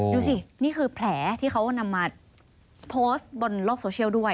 ดูสินี่คือแผลที่เขานำมาโพสต์บนโลกโซเชียลด้วย